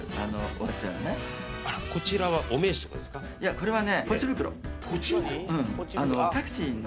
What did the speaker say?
これはね。